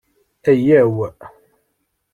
Aywa!